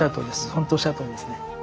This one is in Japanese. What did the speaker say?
ほんとおっしゃるとおりですね。